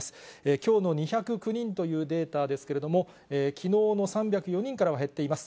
きょうの２０９人というデータですけれども、きのうの３０４人からは減っています。